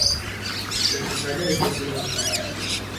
Tentu saja itu sudah lumayan.